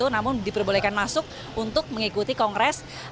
namun diperbolehkan masuk untuk mengikuti kongres